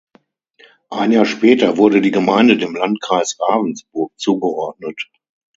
Ein Jahr später wurde die Gemeinde dem Landkreis Ravensburg zugeordnet.